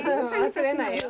忘れないよ。